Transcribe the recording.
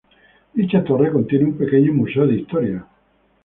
Dicha torre contiene un pequeño museo de Historia.